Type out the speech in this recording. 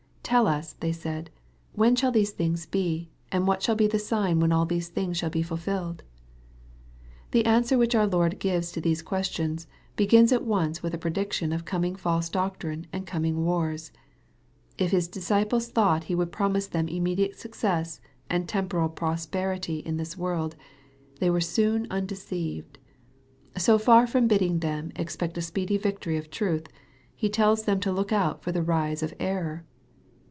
" Tell us," they eaid, "when shall these things be ? and what shall be the sign when all these things shall be fulfilled ?" The answer which our Lord gives to these questions, begins at once with a prediction of coming false doctrine and coming wars. If His disciples thought He would promise them immediate success and temporal prosperity in this world, they were soon undeceived. So far from bidding them expect a speedy victory of truth, He tells them to look out for the rise of error.